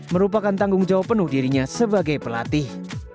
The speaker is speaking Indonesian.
merupakan tanggung jawab penuh dirinya sebagai pelatih